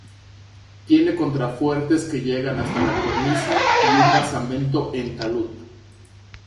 Tiene contrafuertes que llegan hasta la cornisa y un basamento en talud.